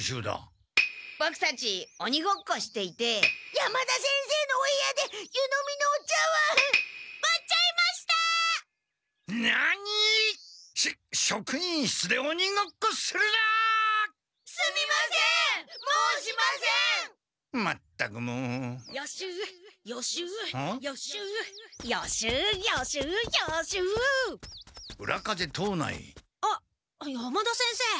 あっ山田先生。